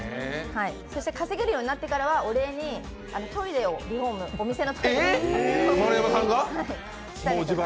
そして稼げるようになってからはお礼に、お店のトイレをリフォームしたりとか。